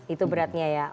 itu beratnya ya